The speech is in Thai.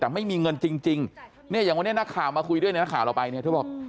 แต่ไม่มีเงินจริงเนี่ยอย่างวันนี้นักข่าวมาคุยด้วยเนี่ยนักข่าวเราไปเนี่ยเธอบอก